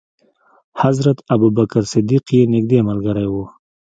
حضرت ابو بکر صدیق یې نېږدې ملګری و.